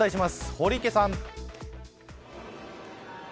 堀池さん。